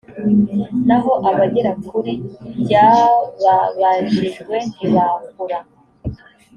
naho abagera kuri by ababajijwe ntibakura